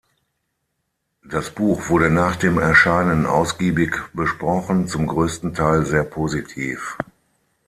Das Buch wurde nach dem Erscheinen ausgiebig besprochen, zum größten Teil sehr positiv.